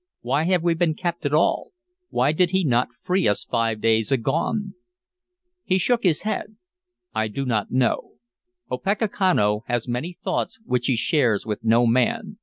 "Why have we been kept at all? Why did he not free us five days agone?" He shook his head. "I do not know. Opechancanough has many thoughts which he shares with no man.